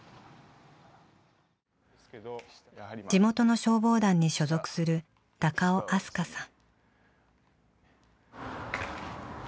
地元の消防団に所属する高尾飛鳥さん。